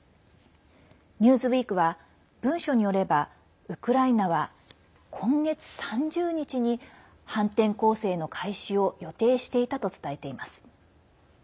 ニューズウィークは文書によればウクライナは、今月３０日に反転攻勢の開始を予定していたと伝えています。